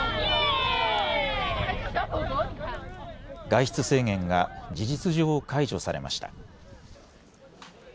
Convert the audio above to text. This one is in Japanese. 外出制限が事実上、解除されました。